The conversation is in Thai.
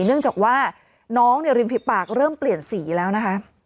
เนื่องจากว่าน้องริมฝีปากเริ่มเปลี่ยนสีแล้วนะคะ